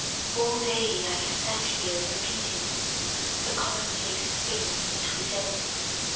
All day I have sat here repeating The commonplace things that we said.